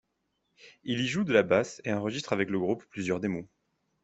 Il y joue de la basse et enregistre avec le groupe plusieurs démos.